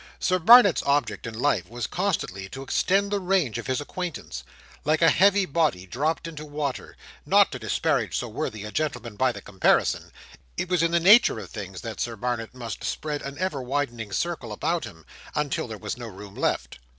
Sir Barnet's object in life was constantly to extend the range of his acquaintance. Like a heavy body dropped into water—not to disparage so worthy a gentleman by the comparison—it was in the nature of things that Sir Barnet must spread an ever widening circle about him, until there was no room left.